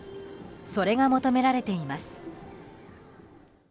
それが求められています。